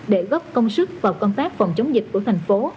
để góp công sức vào công tác phòng chống dịch